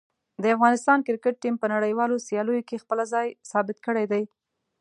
د افغانستان کرکټ ټیم په نړیوالو سیالیو کې خپله ځای ثبت کړی دی.